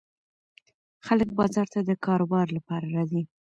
خلک بازار ته د کاروبار لپاره راځي.